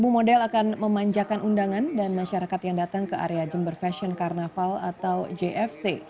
dua puluh model akan memanjakan undangan dan masyarakat yang datang ke area jember fashion carnaval atau jfc